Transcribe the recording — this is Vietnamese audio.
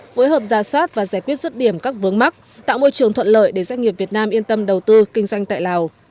phối hợp ra sát và giải quyết rứt điểm các vướng mắc tạo môi trường thuận lợi để doanh nghiệp việt nam yên tâm đầu tư kinh doanh tại lào